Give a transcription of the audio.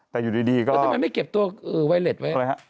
แต่อยู่ดีก็แล้วทำไมไม่เก็บตัวไวเล็ตไว้